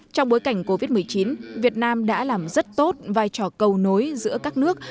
trong bối cảnh covid một mươi chín việt nam đã làm rất tốt vai trò cầu nối giữa các nước